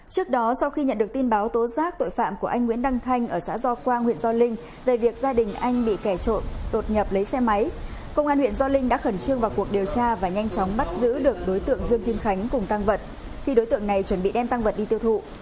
trước đó sau khi nhận được tin báo tố giác tội phạm của anh nguyễn đăng thanh ở xã do quang huyện gio linh về việc gia đình anh bị kẻ trộm đột nhập lấy xe máy công an huyện gio linh đã khẩn trương vào cuộc điều tra và nhanh chóng bắt giữ được đối tượng dương kim khánh cùng tăng vật khi đối tượng này chuẩn bị đem tăng vật đi tiêu thụ